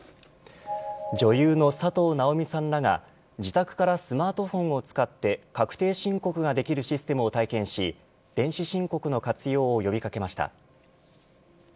女優の佐藤奈織美さんらが自宅からスマートフォンを使って確定申告ができるシステムを体験し電子申告の活用を呼び掛けました。